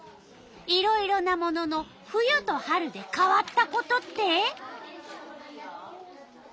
いろいろなものの冬と春で変わったことって？